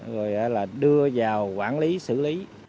rồi đưa vào quản lý xử lý